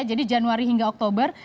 jadi januari hingga oktober